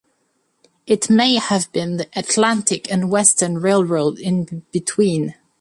It may have been the Atlantic and Western Railroad in between.